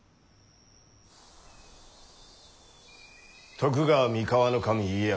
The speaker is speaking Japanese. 徳川三河守家康。